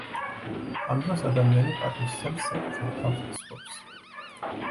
ამ დროს ადამიანი პატივს სცემს საკუთარ თავს და სხვებს.